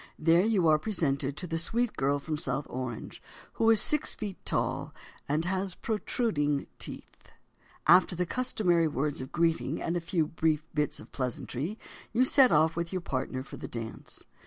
There you are presented to the sweet girl from South Orange, who is six feet tall and has protruding teeth. After the customary words of greeting and a few brief bits of pleasantry, you set off with your partner for the dance.